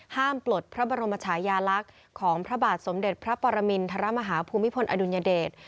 ปลดพระบรมชายาลักษณ์ของพระบาทสมเด็จพระปรมินทรมาฮาภูมิพลอดุลยเดช